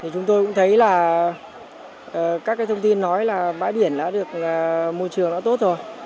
chúng tôi cũng thấy là các thông tin nói là bãi biển đã được môi trường đã tốt rồi